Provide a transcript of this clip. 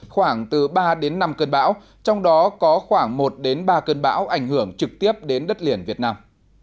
khoảng từ ba đến năm cơn bão trong đó có khoảng một đến ba cơn bão ảnh hưởng trực tiếp đến đất liền việt nam